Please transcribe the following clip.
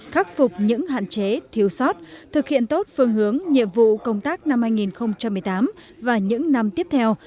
khắc phục những hạn chế thiếu sót thực hiện tốt phương hướng nhiệm vụ công tác năm hai nghìn một mươi tám và những năm tiếp theo